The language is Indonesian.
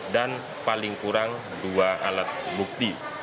dan paling kurang dua alat bukti